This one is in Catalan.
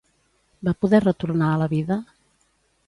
Va poder retornar a la vida?